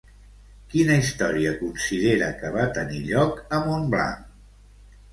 Quina història considera que va tenir lloc a Montblanc?